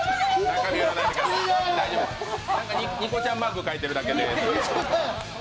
にこちゃんマーク描いてあるだけです。